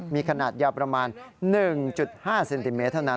มีขนาดยาวประมาณ๑๕เซนติเมตรเท่านั้น